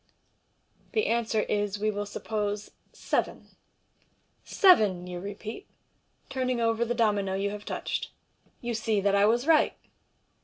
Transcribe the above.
The answer is, we will siippose, " Seven." " Seven," you repeat, turning over the domino you have touch td. " You see that I was right.